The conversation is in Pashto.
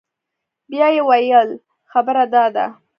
بيا يې وويل خبره دا ده.